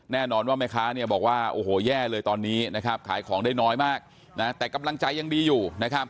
แน่นอนว่าแม่ค้าเนี่ยบอกว่าโอ้โหแย่เลยตอนนี้นะครับขายของได้น้อยมากนะแต่กำลังใจยังดีอยู่นะครับ